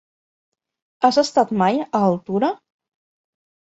Has estat mai a Altura?